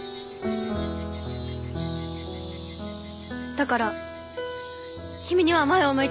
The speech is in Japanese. だから君には前を向いてほしい。